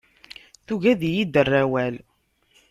Tugi ad iyi-d-terr awal.